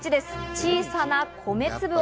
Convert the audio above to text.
小さな米粒を。